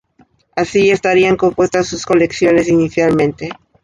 Así estarían compuestas sus colecciones inicialmente.